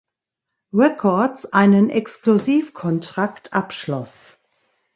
Records" einen Exklusiv-Kontrakt abschloss.